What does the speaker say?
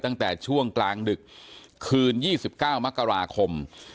ตั้งแต่ช่วงกลางดึกคืน๒๙มกราคม